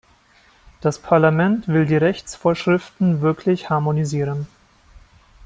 Das Parlament will die Rechtsvorschriften wirklich harmonisieren.